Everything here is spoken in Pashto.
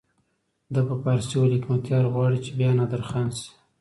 ده په فارسي وویل حکمتیار غواړي چې بیا نادرخان شي.